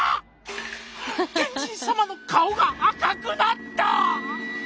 天神様の顔が赤くなった！